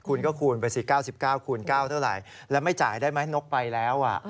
คุณก็คูณไปสิ๙๙คูณ๙เท่าไหร่แล้วไม่จ่ายได้ไหมนกไปแล้ว